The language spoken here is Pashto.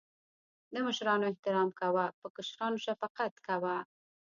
د مشرانو احترام کوه.په کشرانو شفقت کوه